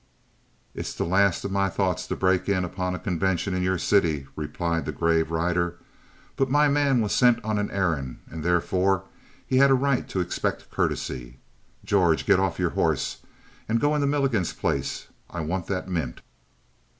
"It's the last of my thoughts to break in upon a convention in your city," replied the grave rider, "but my man was sent on an errand and therefore he had a right to expect courtesy. George, get off your horse and go into Milligan's place. I want that mint!"